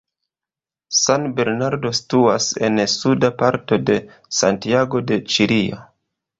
San Bernardo situas en suda parto de Santiago de Ĉilio.